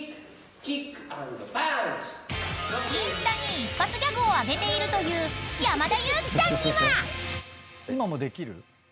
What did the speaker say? ［インスタに一発ギャグを上げているという山田裕貴さんには］